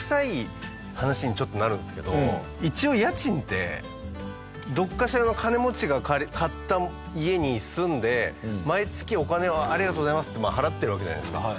一応家賃ってどこかしらの金持ちが買った家に住んで毎月お金をありがとうございますって払ってるわけじゃないですか。